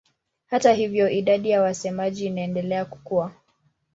Hata hivyo idadi ya wasemaji inaendelea kukua.